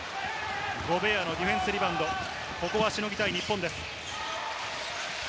ゴベアのディフェンスリバウンド、しのぎたい日本です。